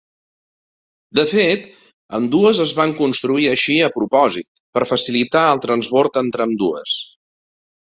De fet ambdues es van construir així a propòsit per facilitar el transbord entre ambdues.